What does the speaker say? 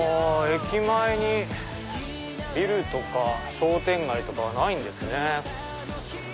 駅前にビルとか商店街とかはないんですね。